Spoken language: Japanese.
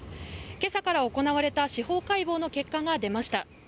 今朝から行われた司法解剖の結果が出ました。